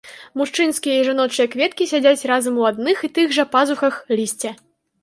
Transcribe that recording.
Мужчынскія і жаночыя кветкі сядзяць разам у адных і тых жа пазухах лісця.